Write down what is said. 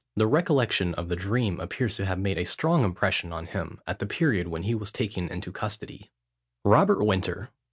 The recollection of the dream appears to have made a strong impression on him at the period when he was taken into custody. ROBERT WINTER.